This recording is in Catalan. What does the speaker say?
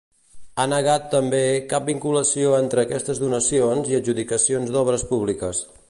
Ha negat també cap vinculació entre aquestes donacions i adjudicacions d'obres públiques.